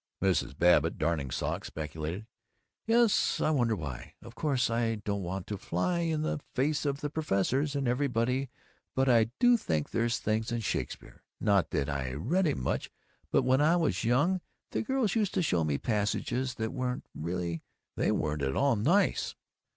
Mrs. Babbitt, darning socks, speculated, "Yes, I wonder why. Of course I don't want to fly in the face of the professors and everybody, but I do think there's things in Shakespeare not that I read him much, but when I was young the girls used to show me passages that weren't, really, they weren't at all nice."